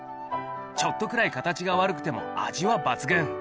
ちょっとくらい形が悪くても味は抜群！